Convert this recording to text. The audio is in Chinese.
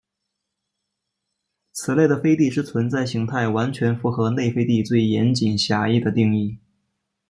此类的飞地之存在型态完全符合内飞地最严谨狭义的定义。